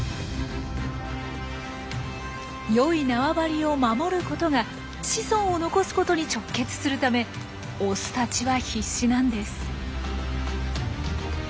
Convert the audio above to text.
よいなわばりを守ることが子孫を残すことに直結するためオスたちは必死なんです。